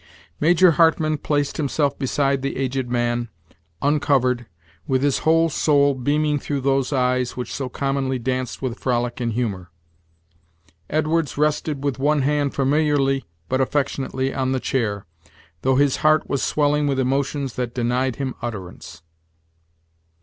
Major Hartmann placed himself beside the aged man, uncovered, with his whole soul beaming through those eyes which so commonly danced with frolic and humor. Edwards rested with one hand familiarly but affectionately on the chair, though his heart was swelling with emotions that denied him utterance.